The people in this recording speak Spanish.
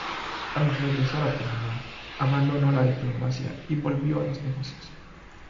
Al regresar a Panamá abandonó la diplomacia y volvió a los negocios.